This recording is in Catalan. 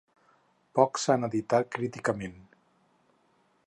Pocs s'han editat críticament.